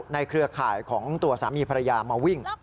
เครือข่ายของตัวสามีภรรยามาวิ่ง